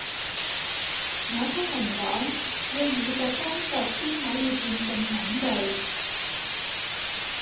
我聽人講，要以毒攻毒先可以戰勝恐懼